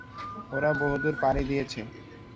ওরা বহুদূর পাড়ি দিয়েছে।